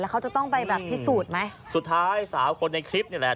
เขาจะต้องไปแบบพิสูจน์ไหมสุดท้ายสาวคนในคลิปนี่แหละ